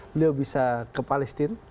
beliau bisa ke palestine